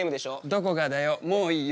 どこがだよもういいよ。